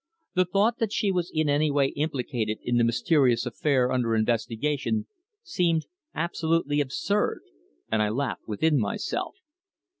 The thought that she was in any way implicated in the mysterious affair under investigation seemed absolutely absurd, and I laughed within myself.